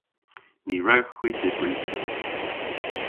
Ny wrewgh hwi dybri kig.